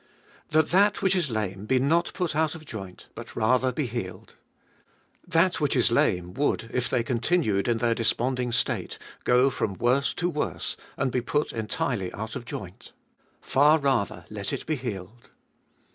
That that which is lame be not put out of joint, but rather be healed. That which is lame would, if they continued in their desponding state, go from worse to worse and be put entirely out of joint, — far rather let it be healed.